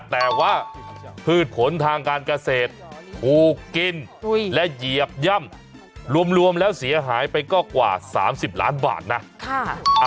แต่ว่าพืชผลทางการเกษตรถูกกินและเหยียบย่ำรวมแล้วเสียหายไปก็กว่า๓๐ล้านบาทนะ